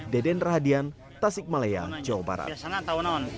deden rahadian tasik malaya jawa barat